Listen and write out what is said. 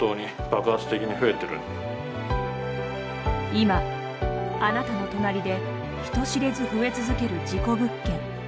今、あなたの隣で人知れず増え続ける事故物件。